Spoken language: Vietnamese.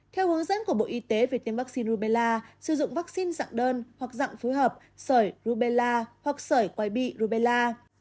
theo hướng dẫn của bộ y tế về tiêm vắc xin rubella sử dụng vắc xin dạng đơn hoặc dạng phối hợp sở rubella hoặc sở quay bị rubella